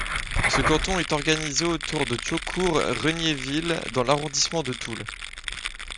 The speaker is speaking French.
Ce canton est organisé autour de Thiaucourt-Regniéville dans l'arrondissement de Toul.